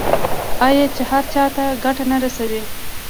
آیا چې هر چا ته ګټه نه رسوي؟